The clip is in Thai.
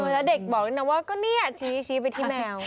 แล้วเด็กบอกด้วยนะว่าก็เนี่ยชี้ไปที่แมว